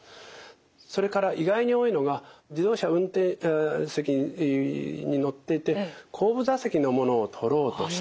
それから意外に多いのが自動車運転席に乗ってて後部座席の物を取ろうとして。